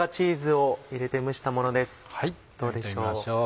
どうでしょう？